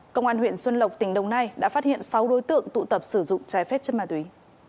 công an huyện xuân lộc tỉnh đồng nai đã phát hiện sáu đối tượng tụ tập sử dụng trái phép chất ma túy